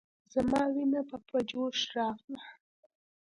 زما وينه به په جوش راغله.